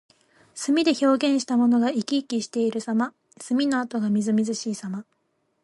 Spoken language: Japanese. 墨で表現したものが生き生きしているさま。墨の跡がみずみずしいさま。